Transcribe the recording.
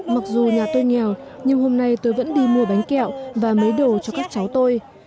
mặc dù nhà tôi nghèo nhưng hôm nay tôi vẫn đi mua bánh kẹo và mới đồ cho các cháu tôi